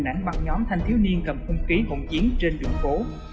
đây là hình ảnh bằng nhóm thanh thiếu niên cầm hung khí hỗn chiến trên đường phố